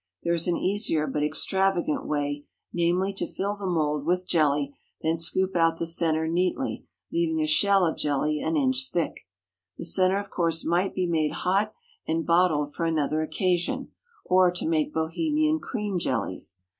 There is an easier but extravagant way, namely, to fill the mould with jelly, then scoop out the centre neatly, leaving a shell of jelly an inch thick. The centre, of course, might be made hot and bottled for another occasion, or to make Bohemian cream jellies.